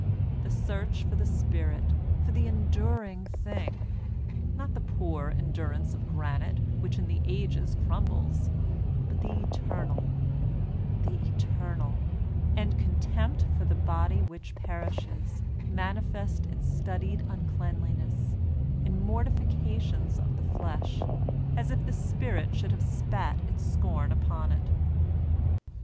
The search for the spirit, for the enduring thing (not the poor endurance of granite which in the ages crumbles, but the eternal), the eternal, — and contempt for the body which perishes, manifest in studied uncleanliness, in mortifications of the flesh, as if the spirit should have spat its scorn upon it.